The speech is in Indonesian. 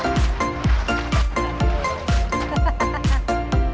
semoga beneran bisa nambah umur ya